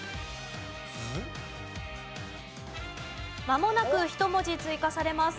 まもなく１文字追加されます。